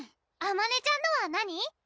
あまねちゃんのは何？